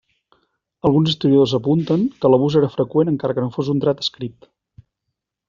Alguns historiadors apunten que l'abús era freqüent encara que no fos un dret escrit.